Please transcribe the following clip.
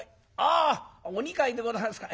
あお二階でございますか。